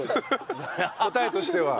答えとしては。